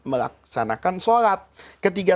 melaksanakan sholat ketiga